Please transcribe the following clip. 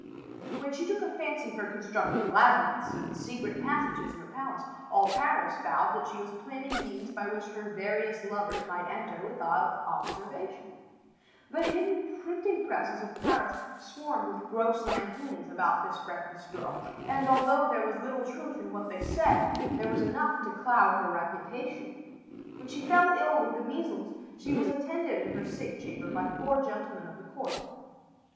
When she took a fancy for constructing labyrinths and secret passages in the palace, all Paris vowed that she was planning means by which her various lovers might enter without observation. The hidden printing presses of Paris swarmed with gross lampoons about this reckless girl; and, although there was little truth in what they said, there was enough to cloud her reputation. When she fell ill with the measles she was attended in her sick chamber by four gentlemen of the court.